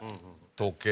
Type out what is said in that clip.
時計。